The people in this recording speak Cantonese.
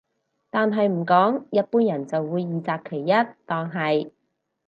但係唔講一般人就會二擇其一當係